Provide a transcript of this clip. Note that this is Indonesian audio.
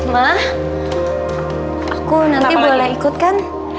mah aku nanti boleh ikut kan